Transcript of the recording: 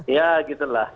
ya gitu lah